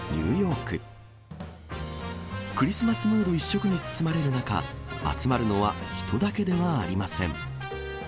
クリスマスムード一色に包まれる中、集まるのは人だけではありません。